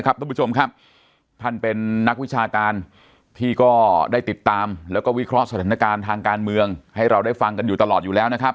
ท่านผู้ชมครับท่านเป็นนักวิชาการที่ก็ได้ติดตามแล้วก็วิเคราะห์สถานการณ์ทางการเมืองให้เราได้ฟังกันอยู่ตลอดอยู่แล้วนะครับ